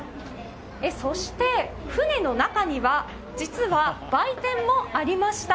そして、船の中には実は売店もありました。